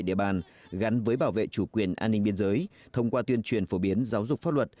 địa bàn gắn với bảo vệ chủ quyền an ninh biên giới thông qua tuyên truyền phổ biến giáo dục pháp luật